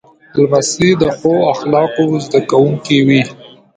لمسی د ښو اخلاقو زده کوونکی وي.